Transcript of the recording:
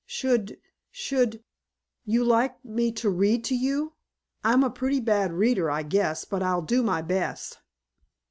Should should you like me to read to you? I'm a pretty bad reader, I guess, but I'll do my best."